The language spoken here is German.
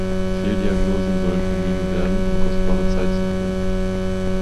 Fehldiagnosen sollen vermieden werden, um kostbare Zeit zu gewinnen.